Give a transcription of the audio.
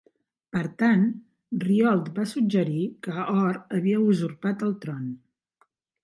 Per tant, Ryholt va suggerir que Hor havia usurpat el tron.